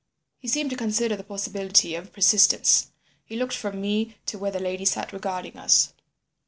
"He seemed to consider the possibility of persistence. He looked from me to where the lady sat regarding us.